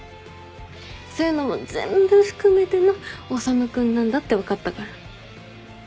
そういうのも全部含めての修君なんだって分かったから。